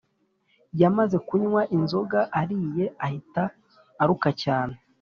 Yamaze kunywa inzoga ariye ahita aruka cyane